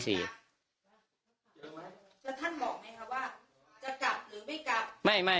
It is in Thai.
แล้วท่านบอกไหมคะว่า